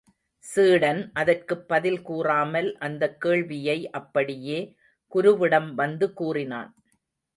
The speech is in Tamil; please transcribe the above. சீடன் அதற்குப் பதில் கூறாமல் அந்தக் கேள்வியை அப்படியே குருவிடம் வந்து கூறினான்.